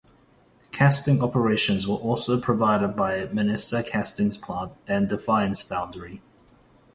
Casting operations were also provided by Massena Castings Plant and Defiance Foundry.